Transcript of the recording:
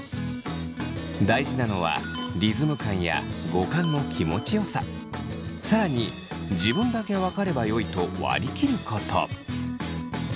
大事なのはリズム感や語感の気持ちよさ更に自分だけわかればよいと割り切ること。